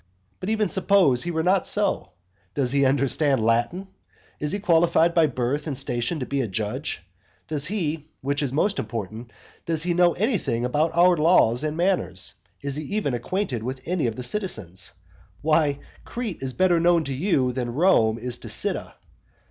But even suppose he were not so. Does he understand Latin? Is he qualified by birth and station to be a judge? Does he which is most important does he know anything about our laws and manners? Is he even acquainted with any of the citizens? Why, Crete is better known to you than Rome is to Cyda.